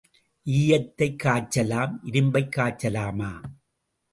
ஈயத்தைக் காய்ச்சலாம் இரும்பைக் காய்ச்சலாமா?